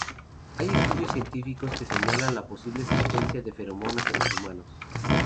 Hay estudios científicos que señalan la posible existencia de feromonas en los humanos.